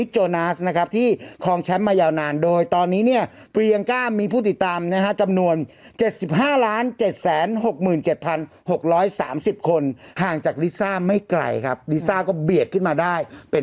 จะได้เอาไปใช้ได้อ่ะดีกว่าไหมว่ะไปให้หาเศษกลับไปแล้วก็ขยะป่ะ